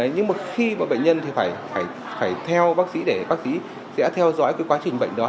nhưng một khi bệnh nhân thì phải theo bác sĩ để bác sĩ sẽ theo dõi quá trình bệnh đó